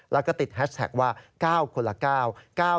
แล้วก็ติดแฮชแท็กว่า๙คนละ๙